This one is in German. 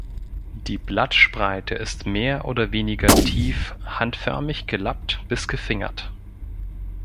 Die Blattspreite ist mehr oder weniger tief handförmig gelappt bis gefingert.